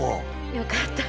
よかったよ。